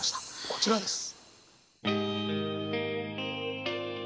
こちらです。